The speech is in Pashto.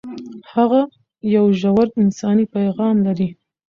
هغه یو ژور انساني پیغام لري.